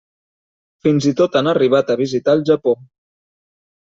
Fins i tot han arribat a visitar el Japó.